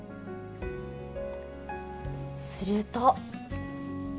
すると。